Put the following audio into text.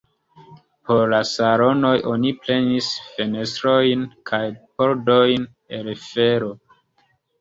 Por la salonoj oni prenis fenestrojn kaj pordojn el fero.